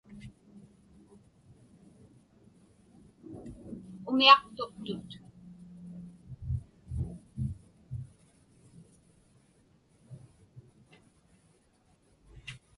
Umiaqtuqtut.